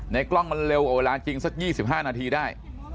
กล้องมันเร็วกว่าเวลาจริงสัก๒๕นาทีได้